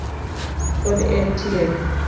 Pod en tiere